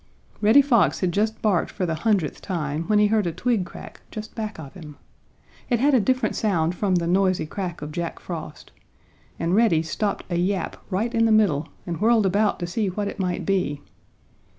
Reddy Fox had just barked for the hundreth time when he heard a twig crack just back of him. It had a different sound from the noisy crack of Jack Frost, and Reddy stopped a yap right in the middle and whirled about to see what it might be.